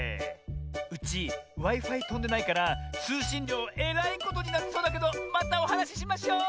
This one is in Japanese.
うちＷｉ−Ｆｉとんでないからつうしんりょうえらいことになりそうだけどまたおはなししましょう！